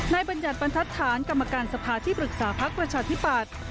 บัญญัติบรรทัศน์กรรมการสภาที่ปรึกษาพักประชาธิปัตย์